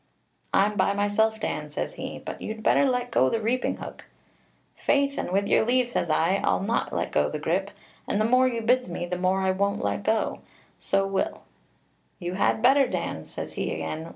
'I'm by myself, Dan,' says he; 'but you'd better let go the reaping hook.' 'Faith, and with your leave,' says I, 'I'll not let go the grip, and the more you bids me, the more I won't let go; so I will.' 'You had better, Dan,' says he again.